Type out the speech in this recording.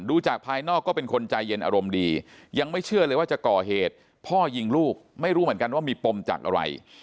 จากภายนอกก็เป็นคนใจเย็นอารมณ์ดียังไม่เชื่อเลยว่าจะก่อเหตุพ่อยิงลูกไม่รู้เหมือนกันว่ามีปมจากอะไร